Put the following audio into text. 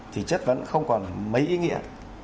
thì chất vấn không còn mấy ý nghĩa